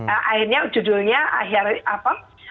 akhirnya judulnya akhirnya apa